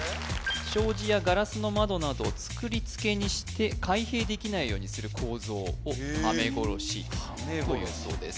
障子やガラスの窓などを作りつけにして開閉できないようにする構造をはめごろしというそうです